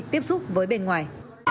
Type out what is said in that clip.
tiếp xúc với bên ngoài